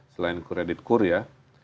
selain kredit kur ya